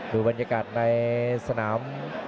ดูบรรยากาศในสนาม